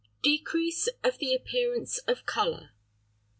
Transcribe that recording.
DECREASE OF THE APPEARANCE OF COLOUR.